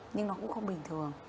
nhưng nó cũng không bình thường